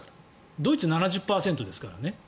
ドイツ７０％ですからね。